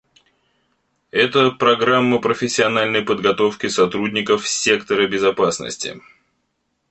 Это — программа профессиональной подготовки сотрудников сектора безопасности.